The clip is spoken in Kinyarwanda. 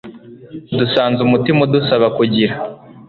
dusanze umutima udusaba kugira